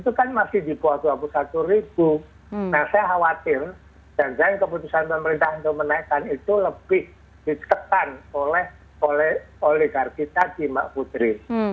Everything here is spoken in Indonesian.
jangan jangan keputusan pemerintah untuk menaikkan itu lebih diketan oleh oligarki tadi mak putri